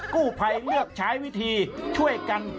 กู้ภัยเลือกใช้วิธีช่วยกัน